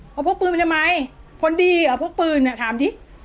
เขาพกปืนไปทำไมคนดีหรอพกปืนถามดิ